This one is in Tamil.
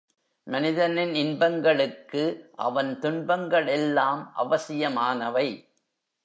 மனிதனின் இன்பங்களுக்கு அவன் துன்பங்கள் எல்லாம் அவசியமானவை.